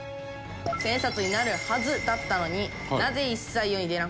千円札になるはずだったのになぜ一切世に出なかったか？